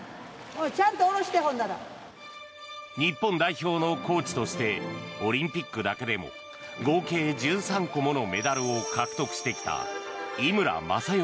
日本代表のコーチとしてオリンピックだけでも合計１３個ものメダルを獲得してきた井村雅代